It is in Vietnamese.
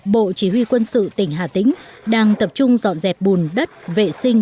bộ chỉ huy quân sự tỉnh hà tĩnh đang tập trung dọn dẹp bùn đất vệ sinh